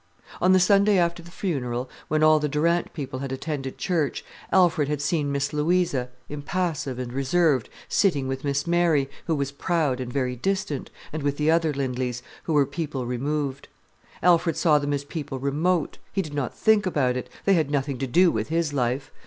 On the Sunday after the funeral, when all the Durant people had attended church, Alfred had seen Miss Louisa, impassive and reserved, sitting with Miss Mary, who was proud and very distant, and with the other Lindleys, who were people removed. Alfred saw them as people remote. He did not think about it. They had nothing to do with his life.